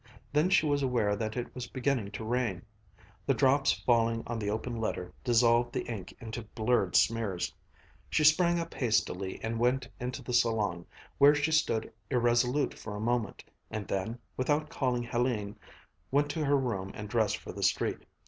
Then she was aware that it was beginning to rain. The drops falling on the open letter dissolved the ink into blurred smears. She sprang up hastily and went into the salon, where she stood irresolute for a moment, and then, without calling Hélène, went to her room and dressed for the street.